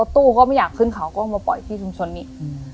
ตู้ก็ไม่อยากขึ้นเขาก็มาปล่อยที่ชุมชนอีก